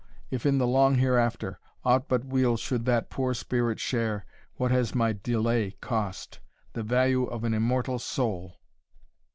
if in the long Hereafter, aught but weal should that poor spirit share, what has my delay cost? the value of an immortal soul!"